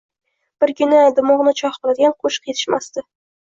birgina dimogʻni chogʻ qiladigan qoʻshiq yetishmasdi.